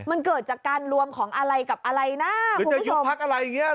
มันเกิดจากการรวมของอะไรกับอะไรนะมันจะยุบพักอะไรอย่างเงี้ย